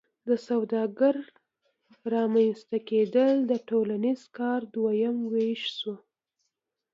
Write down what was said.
د سوداګر رامنځته کیدل د ټولنیز کار دریم ویش شو.